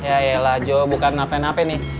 yaelah jo bukan nape nape nih